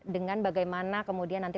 dengan bagaimana kemudian nanti